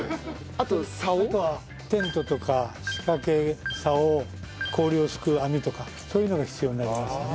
あとはテントとか仕掛け竿氷をすくう網とかそういうのが必要になりますね。